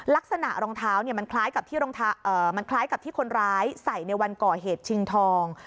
ลักษณะรองเท้ามันคล้ายกับที่คนร้ายใส่ในวันก่อเหตุชิงทอง